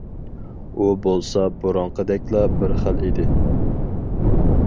ئۇ بولسا بۇرۇنقىدەكلا بىر خىل ئىدى.